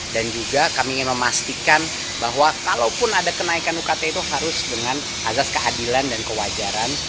dan juga kami ingin memastikan bahwa kalaupun ada kenaikan ukt itu harus dengan azas keadilan dan kewajaran